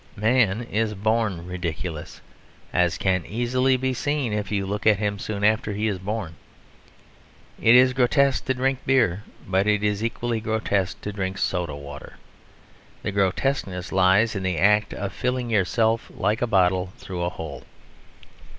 Man is born ridiculous, as can easily be seen if you look at him soon after he is born. It is grotesque to drink beer, but it is equally grotesque to drink soda water; the grotesqueness lies in the act of filling yourself like a bottle through a hole.